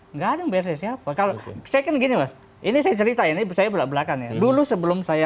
enggak ada beresnya kalau saya kan gini ini saya cerita ini saya belak belakan dulu sebelum saya